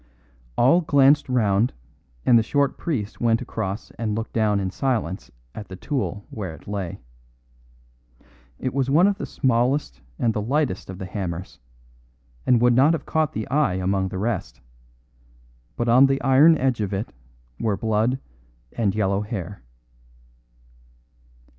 All glanced round and the short priest went across and looked down in silence at the tool where it lay. It was one of the smallest and the lightest of the hammers, and would not have caught the eye among the rest; but on the iron edge of it were blood and yellow hair.